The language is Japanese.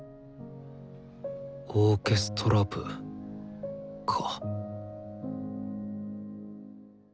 オーケストラ部か。